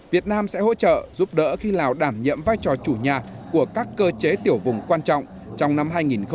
việt nam sẽ hỗ trợ giúp đỡ khi lào đảm nhiệm vai trò chủ nhà của các cơ chế tiểu vùng quan trọng trong năm hai nghìn hai mươi